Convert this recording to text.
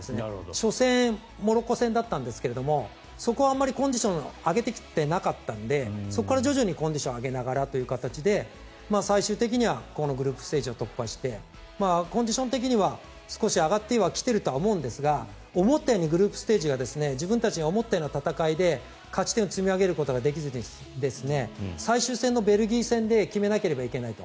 初戦、モロッコ戦だったんですがそこはあまりコンディション上げてきてなかったのでそこから徐々にコンディションを上げながらという形で最終的にはこのグループステージを突破してコンディション的には少し上がってきてはいると思うんですが思ったようにグループステージが自分たちが思ったような戦いで勝ち点を積み上げることができずに最終戦のベルギー戦で決めなければいけないと。